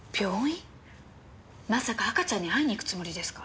まさか赤ちゃんに会いに行くつもりですか？